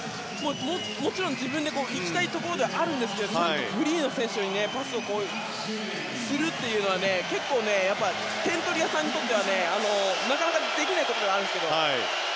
もちろん自分で行きたいところではありますがフリーの選手にパスをするというのは結構、点取り屋にとってはなかなかできないことなんです。